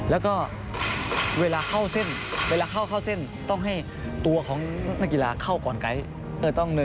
แล้วก็เวลาเข้าเส้นต้องให้ตัวของนักกีฬาเข้าก่อนไกท์